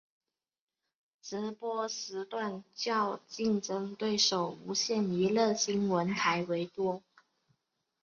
直播时段较竞争对手无线娱乐新闻台为多。